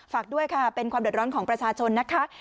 ฝากด้วยค่ะเป็นความเดือดร้อนของประชาชนนะคะ